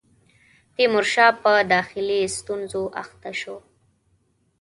تیمورشاه په داخلي ستونزو اخته شو.